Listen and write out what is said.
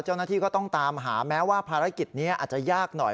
เจ้าหน้าที่ก็ต้องตามหาแม้ว่าภารกิจนี้อาจจะยากหน่อย